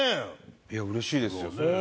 いやうれしいですよ。